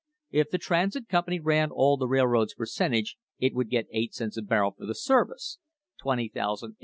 If the Transit Company ran all the railroad's percentage it would get eight cents a barrel for the service, $20,800, * See Appendix, Number 40.